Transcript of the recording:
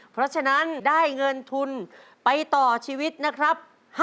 เพราะฉะนั้นได้เงินทุนไปต่อชีวิตนะครับ